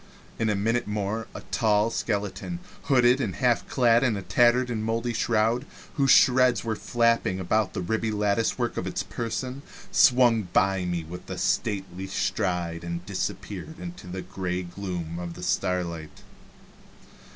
In a minute more a tall skeleton, hooded, and half clad in a tattered and moldy shroud, whose shreds were flapping about the ribby latticework of its person, swung by me with a stately stride and disappeared in the gray gloom of the starlight.